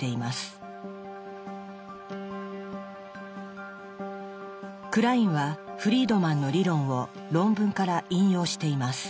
クラインはフリードマンの理論を論文から引用しています。